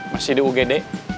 masih di ugd